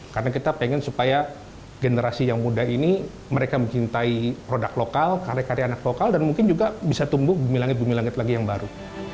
karena kita pengen supaya generasi yang muda ini mereka mencintai produk lokal karya karya anak lokal dan mungkin juga bisa tumbuh bumi langit bumi langit lagi yang baru